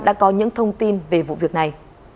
đã có những thông tin về vụ việc này